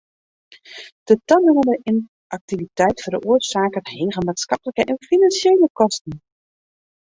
De tanimmende ynaktiviteit feroarsaket hege maatskiplike en finansjele kosten.